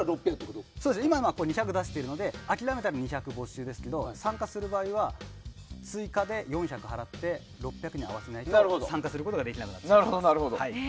今は２００になっているんですけど諦めたら２００没収ですけど参加する場合は追加で４００払い６００に合わせないと参加することができなくなります。